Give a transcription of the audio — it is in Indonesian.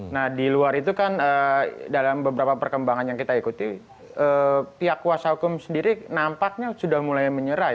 nah di luar itu kan dalam beberapa perkembangan yang kita ikuti pihak kuasa hukum sendiri nampaknya sudah mulai menyerai